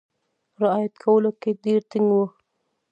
رعایت کولو کې ډېر ټینګ وو.